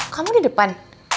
kamu di depan